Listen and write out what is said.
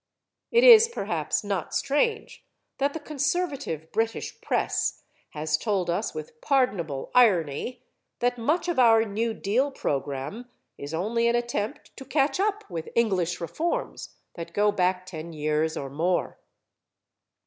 It is perhaps not strange that the conservative British press has told us with pardonable irony that much of our New Deal program is only an attempt to catch up with English reforms that go back ten years or more.